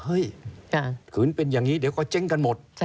ขืนเป็นอย่างนี้เดี๋ยวก็เจ๊งกันหมด